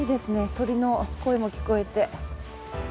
鳥の声も聞こえて。